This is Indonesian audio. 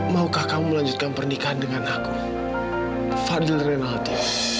maukah kamu melanjutkan pernikahan dengan aku fadil renaudi